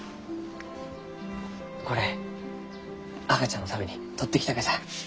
これ赤ちゃんのために採ってきたがじゃ。